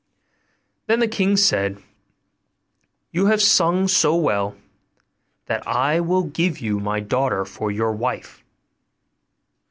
Then the king said, 'You have sung so well, that I will give you my daughter for your wife.